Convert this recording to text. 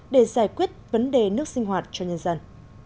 để giải quyết vấn đề nước sinh hoạt cho nhân dân